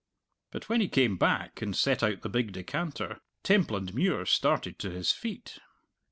But when he came back and set out the big decanter Templandmuir started to his feet.